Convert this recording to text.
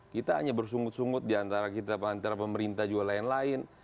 kita hanya bersunggut sungut diantara kita antara pemerintah juga lain lain